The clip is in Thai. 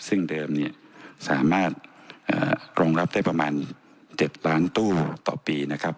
ซึ่งเดิมเนี่ยสามารถรองรับได้ประมาณ๗ล้านตู้ต่อปีนะครับ